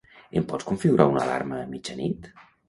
Em pots configurar una alarma a mitjanit?